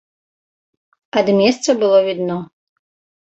Ад месяца было відно.